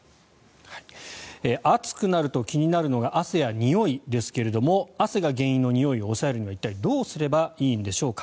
暑くなる時になるのが汗やにおいですが汗が原因のにおいを抑えるには一体どうすればいいんでしょうか。